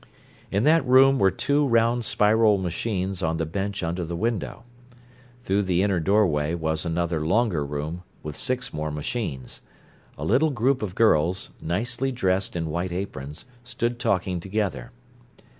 In that room were two round spiral machines on the bench under the window. Through the inner doorway was another longer room, with six more machines. A little group of girls, nicely dressed in white aprons, stood talking together.